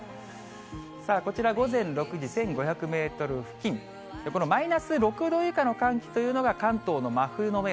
こちら午前６時、１５００メートル付近、このマイナス６度以下の寒気というのが関東の真冬の目安。